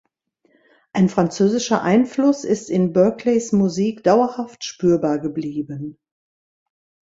Ein französischer Einfluss ist in Berkeleys Musik dauerhaft spürbar geblieben.